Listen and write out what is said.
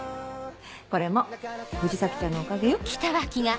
これも藤崎ちゃんのおかげよ。